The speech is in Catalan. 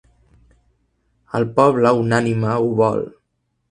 El poble unànime ho vol.